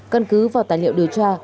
cân cứ vào tài liệu điều tra